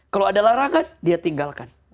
kalau ada larangan dia tinggalkan